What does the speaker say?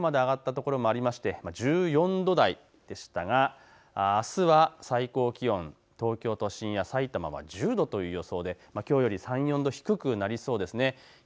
きょうの各地の気温、１５度近くまで上がった所もありまして、１４度台でしたがあすは最高気温、東京都心やさいたま１０度という予想できょうより３、４度低くなりそうですね。